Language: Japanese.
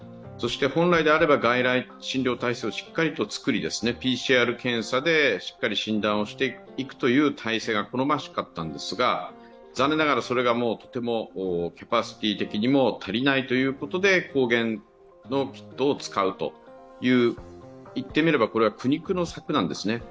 本来であれば、外来診療体制をしっかりとつくり、ＰＣＲ検査でしっかり診断をしていくという体制が好ましかったんですが、残念ながらそれがもうとてもキャパシティー的にも足りないということで抗原のキットを使うという、いってみれば苦肉の策なんですね。